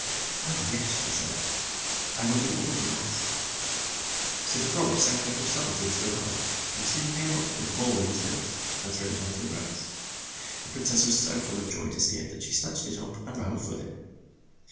"Oh, yes," she said, "I will do all you ask." So the frog sank out of sight in the well, and soon came up with the the princess and the frog. ball in his mouth, and tnrew it on the grass. The prin cess was so full of joy to see it that she snatched it up and ran off with it.